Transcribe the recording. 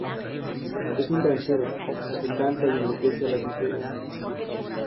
Es un ranchero, que canta y enloquece a las mujeres.